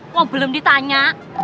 kok belum ditanya